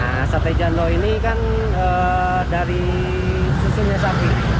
nah sate jando ini kan dari susunya sapi